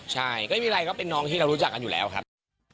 ใช่ก็มีไรก็เป็นน้องที่เรารู้จักกันอยู่แล้วครับ